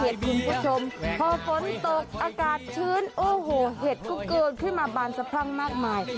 คุณผู้ชมพอฝนตกอากาศชื้นโอ้โหเห็ดก็เกิดขึ้นมาบานสะพรั่งมากมาย